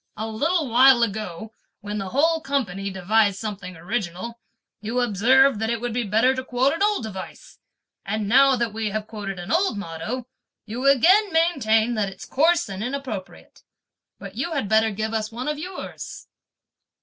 "A little while ago, when the whole company devised something original, you observed that it would be better to quote an old device; and now that we have quoted an old motto, you again maintain that it's coarse and inappropriate! But you had better give us one of yours."